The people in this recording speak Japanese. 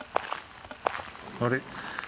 あれ？